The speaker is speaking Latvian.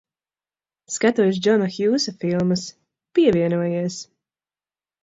Skatos Džona Hjūsa filmas. Pievienojies.